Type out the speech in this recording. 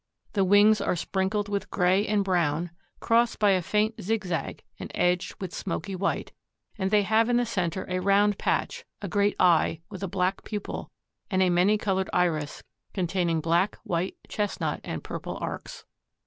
The wings are sprinkled with gray and brown, crossed by a faint zigzag and edged with smoky white, and they have in the center a round patch, a great eye with a black pupil and a many colored iris containing black, white, chestnut, and purple arcs.